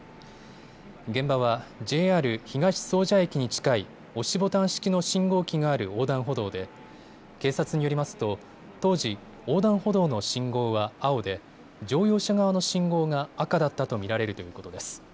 現場はＪＲ東総社駅に近い押しボタン式の信号機がある横断歩道で警察によりますと当時、横断歩道の信号は青で乗用車側の信号が赤だったと見られるということです。